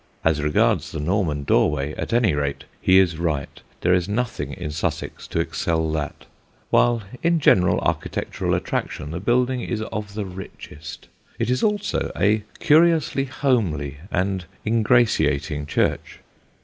As regards the Norman doorway, at any rate, he is right: there is nothing in Sussex to excel that; while in general architectural attraction the building is of the richest. It is also a curiously homely and ingratiating church.